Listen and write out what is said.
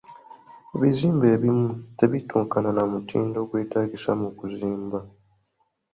Ebizimbe ebimu tebituukana na mutindo gwetaagisa mu kuzimba.